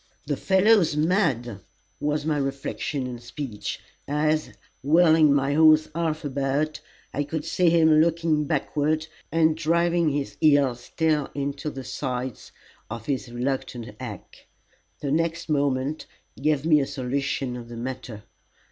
"The fellow's mad!" was my reflection and speech, as, wheeling my horse half about, I could see him looking backward, and driving his heels still into the sides of his reluctant hack. The next moment gave me a solution of the matter.